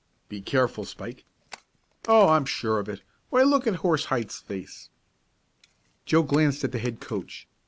"Be careful, Spike." "Oh, I'm sure of it. Why, look at Horsehide's face!" Joe glanced at the head coach.